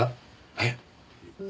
えっ？